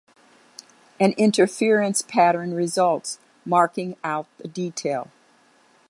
An interference pattern results, marking out the detail.